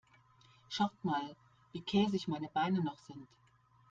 Schaut mal, wie käsig meine Beine noch sind.